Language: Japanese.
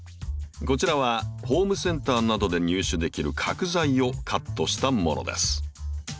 こちらはホームセンターなどで入手できる角材をカットしたものです。